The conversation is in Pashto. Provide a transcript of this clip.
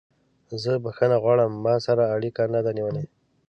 زه بخښنه غواړم ما سره اړیکه نه ده نیولې.